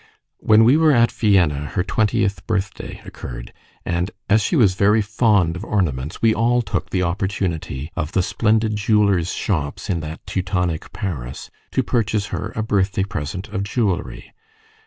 When we were at Vienna her twentieth birthday occurred, and as she was very fond of ornaments, we all took the opportunity of the splendid jewellers' shops in that Teutonic Paris to purchase her a birthday present of jewellery.